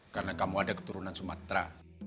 karena kamu ada keturunan sumatera